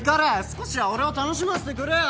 少しは俺を楽しませてくれよ。